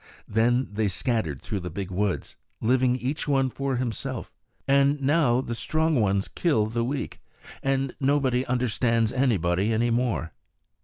Then they scattered through the big woods, living each one for himself; and now the strong ones kill the weak, and nobody understands anybody any more.